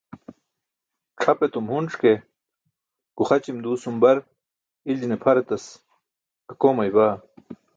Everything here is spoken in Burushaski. C̣ʰap etum hunc̣ ke guxaćim duusum bar iljine pʰar etis akoomayma.